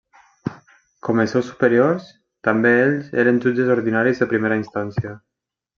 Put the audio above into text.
Com els seus superiors, també ells eren jutges ordinaris de primera instància.